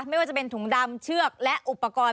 ไม่ว่าจะเป็นถุงดำเชือกและอุปกรณ์